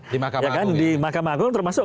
di mahkamah agung termasuk